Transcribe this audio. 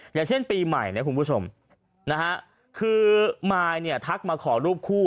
อย่างเช่นปีใหม่นะคุณผู้ชมนะฮะคือมายเนี่ยทักมาขอรูปคู่